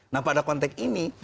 nah pada konteks ini